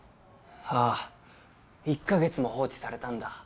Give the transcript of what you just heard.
ああ１カ月も放置されたんだ